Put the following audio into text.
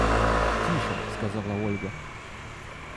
– Тише! – сказала Ольга.